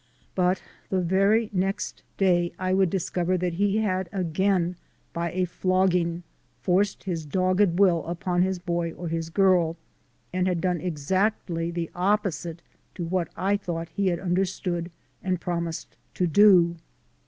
But the very next day I would discover that he had again by a flogging forced his dogged STILL MORE OBSTACLES 249 will upon his boy or his girl, and had done exactly the opposite to what I thought he had understood and promised to do.